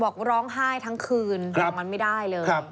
ผมก็ร้องไห้ทั้งคืนร้องมันไม่ได้เลย